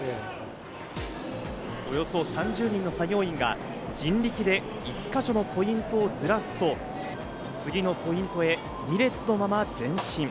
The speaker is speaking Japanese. およそ３０人の作業員が人力で１か所のポイントをズラすと、次のポイントへ２列のまま前進。